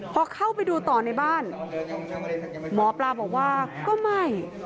พอเข้าไปดูต่อในบ้านหมอปลาบอกว่าก็ไม่